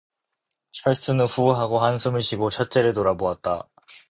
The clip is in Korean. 철수는 후 하고 한숨을 쉬고 첫째를 돌아보았다.